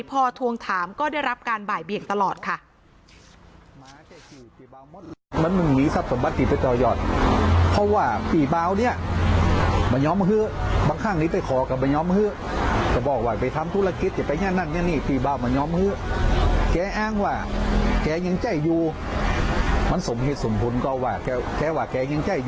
พอทวงถามก็ได้รับการบ่ายเบียงตลอดค่ะ